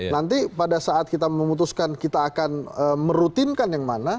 nanti pada saat kita memutuskan kita akan merutinkan yang mana